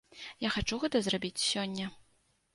Я хачу гэта зрабіць сёння.